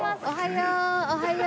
おはよう。